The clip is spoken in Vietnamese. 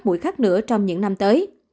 các mũi khác nữa trong những năm tới